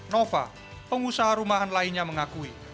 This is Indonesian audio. nova pengusaha rumahan lainnya mengakui